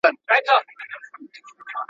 موږ باید تیرې اشتباه ګانې تکرار نه کړو.